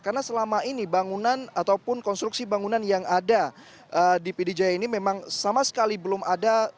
karena selama ini bangunan ataupun konstruksi bangunan yang ada di pdjaya ini memang sama sekali belum ada